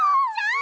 ん！